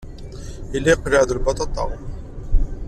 Yella iqelleɛ-d lbaṭaṭa.